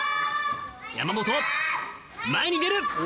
山本前に出る！